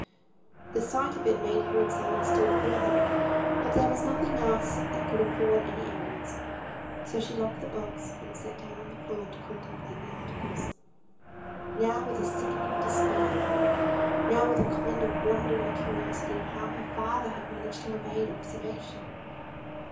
The sight of it made her examine still further, but there was nothing else that could afford any evidence, so she locked the box, and sat down on the floor to contemplate the articles; now with a sickening despair, now with a kind of wondering curiosity, how her father had managed to evade observation.